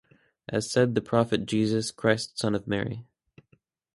As said the Prophet Jesus Christ son of Mary.